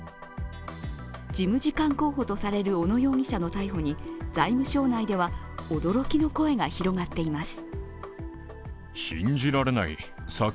事務次官候補とされる小野容疑者の逮捕に財務省内では驚きの声が広がっています。